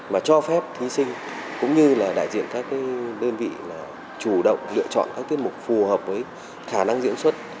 mà cho phép thí sinh cũng như là đại diện các đơn vị là chủ động lựa chọn các tiết mục phù hợp với khả năng diễn xuất